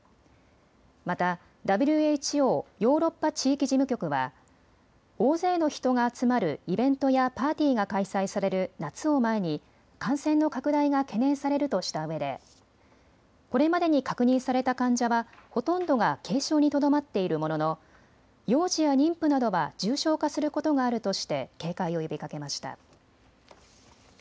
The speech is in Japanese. またＷＨＯヨーロッパ地域事務局は大勢の人が集まるイベントやパーティーが開催される夏を前に感染の拡大が懸念されるとしたうえでこれまでに確認された患者はほとんどが軽症にとどまっているものの幼児や妊婦などは重症化することがあるとして警戒を呼びかけました。